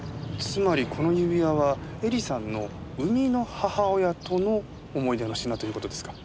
つまりこの指輪は絵里さんの産みの母親との思い出の品という事ですか。